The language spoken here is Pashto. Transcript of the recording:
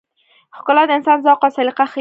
ښکلا د انسان ذوق او سلیقه ښيي.